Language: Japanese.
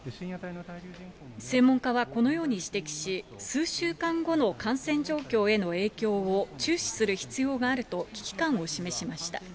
専門家はこのように指摘し、数週間後の感染状況への影響を注視する必要があると危機感を示しました。